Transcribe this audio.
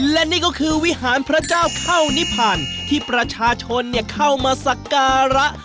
และนี่ก็คือวิหารพระเจ้าเข้านิพันธ์ที่ประชาชนเข้ามาสักการะ